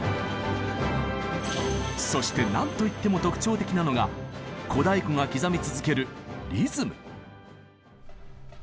そして何といっても特徴的なのが小太鼓が刻み続ける「リズム」。